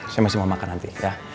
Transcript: saya masih mau makan nanti ya